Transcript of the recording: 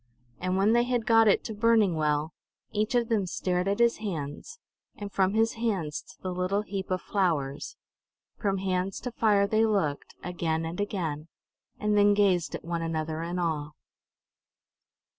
And when they had got it to burning well, each of them stared at his hands, and from his hands to the little heap of "flowers"; from hands to fire they looked, again and again; and then gazed at one another in awe.